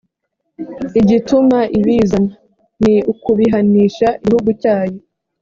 igituma ibizana. ni ukubihanisha igihugu cyayo